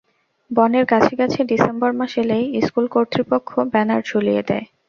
বনের গাছে গাছে ডিসেম্বর মাস এলেই স্কুল কর্তৃপক্ষ ব্যানার ঝুলিয়ে দেয়।